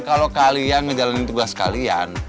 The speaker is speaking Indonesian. kalo kalian menjalani tugas kalian